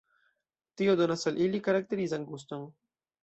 Tio donas al ili karakterizan guston.